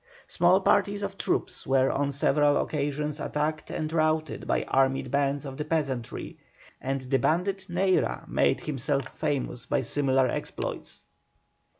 Small parties of troops were on several occasions attacked and routed by armed bands of the peasantry, and the bandit Neyra made himself famous by similar exploits.